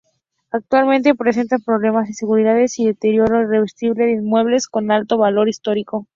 Actualmente presenta problemas de inseguridad y deterioro irreversible de inmuebles con alto valor histórico.